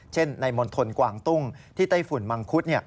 เช่นในมณฑลกวางตุ้งที่ไต้ฝุ่นมังคุด